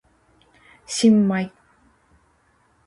新米